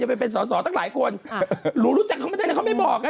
ไปเป็นสอสอตั้งหลายคนหนูรู้จักเขาไม่ได้นะเขาไม่บอกอ่ะ